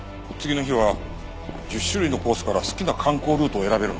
次の日は１０種類のコースから好きな観光ルートを選べるのか。